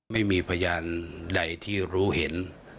ไม่มีพยานใดที่รู้เห็น